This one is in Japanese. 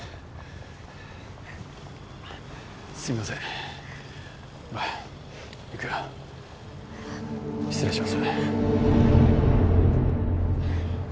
すいませんほら行くよ失礼します